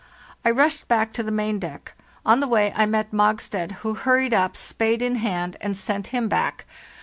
I rushed back to the main deck; on the way I met Mogstad, who hurried up, spade in hand, and sent him back.